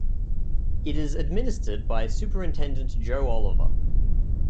It is administered by Superintendent Joe Oliver.